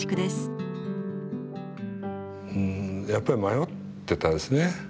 うんやっぱり迷ってたですね。